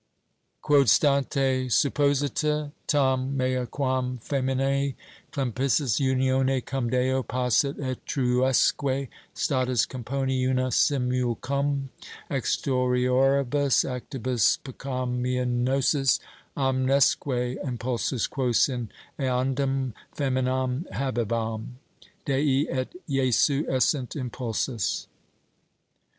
Quod stante supposita tam mea quam fceminse complicis unione cum Deo, posset utriusque status componi una simul cum exterioribus actibus peccaminosis omnesque impulsus quos in eandam foeminam habebam, Dei et Jesu essent impulsus.